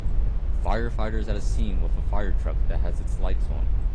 Firefighters at a scene with a firetruck that has it s lights on